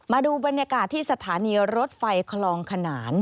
มาดูบรรยากาศที่สถานีรถไฟคลองขนาน